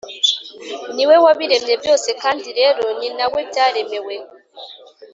Ni we wabiremye byose kandi rero ni na we byaremewe.